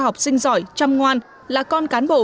học sinh giỏi chăm ngoan là con cán bộ